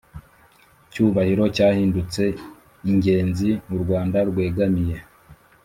cyubahiro cyahindutse ingenzi urwanda rwegamiye